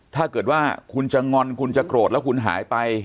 ถ้าเกิดว่าคุณจะงอนคุณจะโกรธแล้วคุณหายไป